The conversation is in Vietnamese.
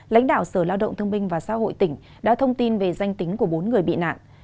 lãnh đạo sở lao động thương minh và xã hội tỉnh đã thông tin về danh tính của bốn người bị nạn